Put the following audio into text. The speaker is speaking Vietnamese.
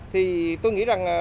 thì tôi nghĩ rằng